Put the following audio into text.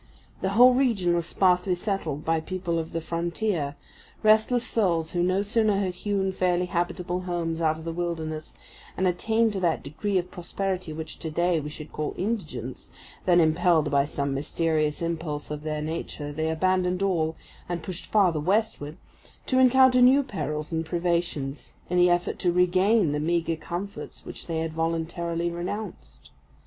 The whole region was sparsely settled by people of the frontier restless souls who no sooner had hewn fairly habitable homes out of the wilderness and attained to that degree of prosperity which to day we should call indigence than impelled by some mysterious impulse of their nature they abandoned all and pushed farther westward, to encounter new perils and privations in the effort to regain the meagre comforts which they had voluntarily renounced.